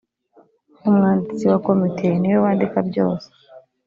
umwanditsi wa komite niwe wandika byose.